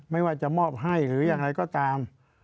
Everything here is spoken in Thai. ไม่ว่าจะมอบให้หรืออย่างไรก็ตาม